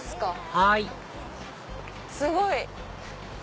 はいすごい！